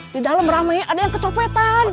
di dalam ramai ada yang kecopotan